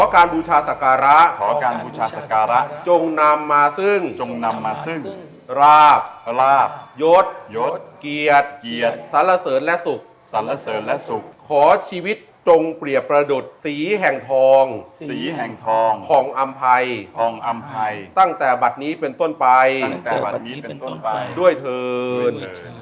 ของอำไพยตั้งแต่บัตรนี้เป็นต้นไปด้วยทืน